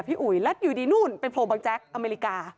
พี่อุ๋ยแล้วอยู่ดีนู่นเป็นโพลบังจักรอเมริกา